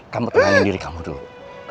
kamu tangani diri kamu dulu